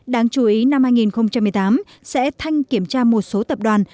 đáng chú ý năm hai nghìn một mươi tám sẽ thanh kiểm tra một số tập đoàn